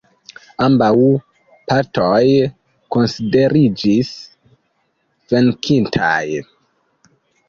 Ambaŭ partoj konsideriĝis venkintaj.